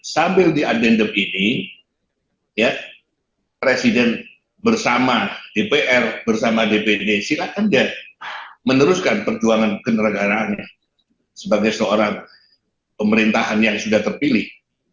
sambil diadendem ini presiden bersama dpr bersama dpd silakan dia meneruskan perjuangan keneragaraannya sebagai seorang pemerintahan yang sudah terpilih